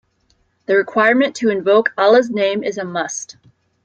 The requirement to invoke Allah's name is a must.